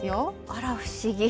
あら不思議。